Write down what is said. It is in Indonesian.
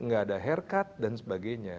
nggak ada haircut dan sebagainya